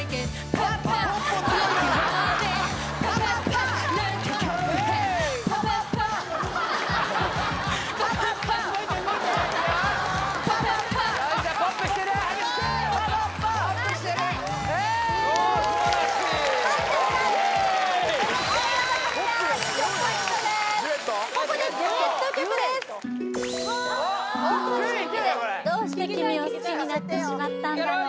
東方神起で「どうして君を好きになってしまったんだろう？」